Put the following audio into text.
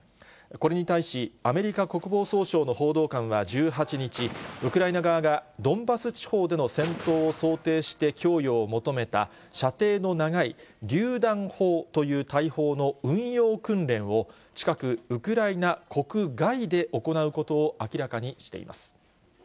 これに対し、アメリカ国防総省の報道官は１８日、ウクライナ側がドンバス地方での戦闘を想定して供与を求めた、射程の長いりゅう弾砲という大砲の運用訓練を、近く、ウクライナ国外で行うことを明らかにしています。